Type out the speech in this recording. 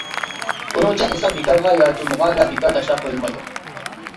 ئۇنىڭچە، ئىنسان بىكارغا يارىتىلمىغان ۋە بىكار تاشلاپ قويۇلمايدۇ.